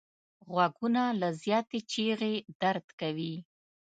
غوږونه له زیاتې چیغې درد کوي